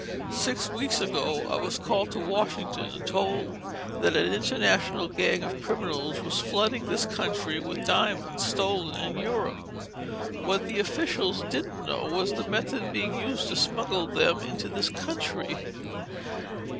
Six weeks ago I was called to Washington and told that an international gang of criminals were flooding this country with diamonds, stolen in Europe. What the officials didn't know was the method being used to smuggle them into this country.